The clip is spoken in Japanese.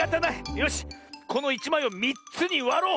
よしこの１まいを３つにわろう！